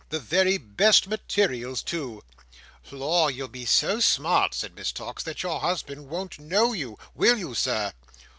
The very best materials, too!" "Lor, you'll be so smart," said Miss Tox, "that your husband won't know you; will you, Sir?"